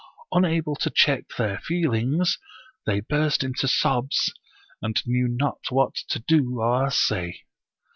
Unable to check their feelings, they burst into sobs, and knew not what to do or say.